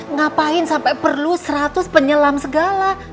ngapain sampai perlu seratus penyelam segala